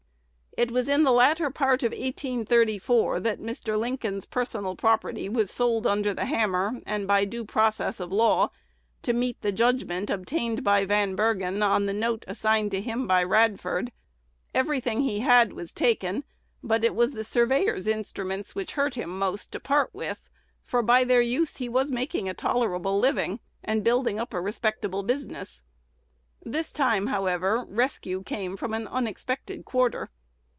It was in the latter part of 1834 that Mr. Lincoln's personal property was sold under the hammer, and by due process of law, to meet the judgment obtained by Van Bergen on the note assigned to him by Radford. Every thing he had was taken; but it was the surveyor's instruments which it hurt him most to part with, for by their use he was making a tolerable living, and building up a respectable business. This time, however, rescue came from an unexpected quarter.